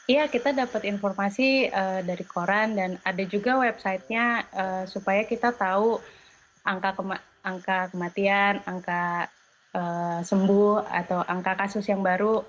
iya kita dapat informasi dari koran dan ada juga websitenya supaya kita tahu angka kematian angka sembuh atau angka kasus yang baru